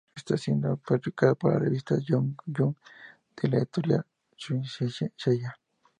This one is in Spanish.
Está siendo publicado por la revista Young Jump de la editorial Shūeisha.